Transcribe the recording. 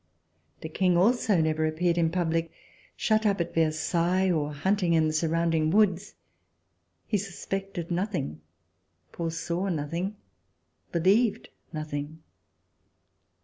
The King also never appeared in public. Shut up at Versailles, or hunting in the surrounding woods, he suspected nothing, fore saw nothing, believed nothing.